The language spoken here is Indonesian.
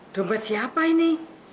dompet siapa ini